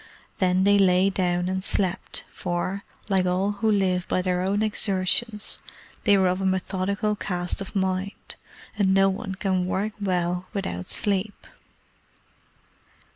Then they lay down and slept, for, like all who live by their own exertions, they were of a methodical cast of mind; and no one can work well without sleep.